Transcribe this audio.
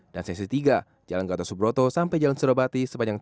dan sesi tiga jalan gatus subroto sampai jalan surabati sepanjang tiga satu km